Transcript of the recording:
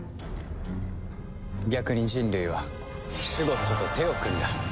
逆に人類はシュゴッドと手を組んだ。